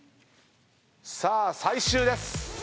さあ最終です。